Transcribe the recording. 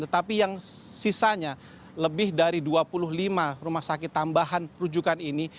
tetapi yang sisanya lebih dari dua puluh lima rumah sakit tambahan rujukan ini